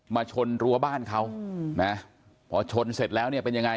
ชนรั้วบ้านเขานะพอชนเสร็จแล้วเนี่ยเป็นยังไง